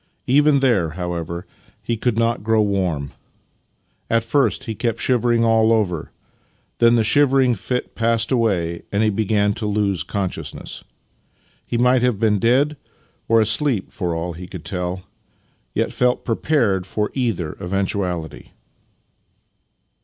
Even there, however, he could not grow warm. At first he kept shivering all over. Then the shivering fit passed away, and he began to lose consciousness. He might have been dead or asleep, for all he could tell, yet felt prepared for either eventuality.